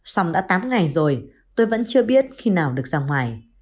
xong đã tám ngày rồi tôi vẫn chưa biết khi nào được ra ngoài